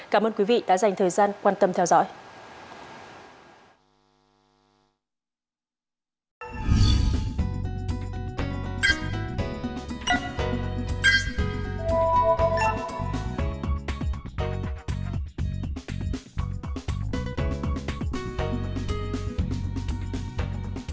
cảm ơn các bạn đã theo dõi và hẹn gặp lại